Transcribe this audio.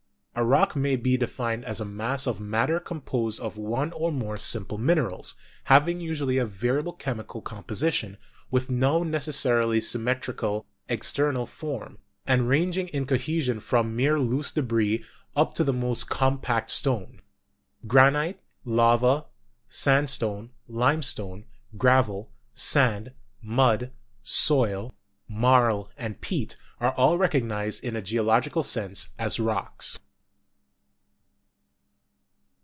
A rock may be defined as a mass of matter composed of one or more simple minerals, having usually a variable chemical composition, with no necessarily symmetrical ex ternal form, and ranging in cohesion from mere loose debris up to the most compact stone. Granite, lava, sand stone, limestone, gravel, sand, mud, soil, marl and peat, are all recognised in a geological sense as rocks.